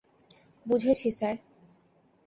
বুঝেছি, স্যার।